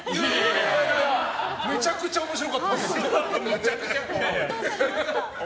めちゃくちゃ面白かったです！